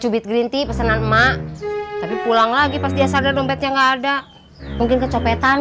subit gerinti pesanan emak tapi pulang lagi pas dia sadar dompetnya enggak ada mungkin kecopetan